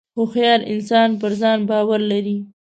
• هوښیار انسان پر ځان باور لري.